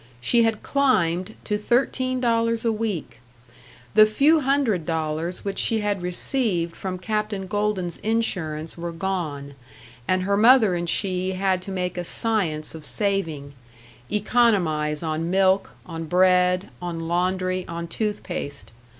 She had climbed to thirteen dollars a week. The few hundred dollars which she had received from Captain Golden's insurance were gone, and her mother and she had to make a science of saving economize on milk, on bread, on laundry, on tooth paste.